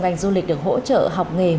ngành du lịch được hỗ trợ học nghề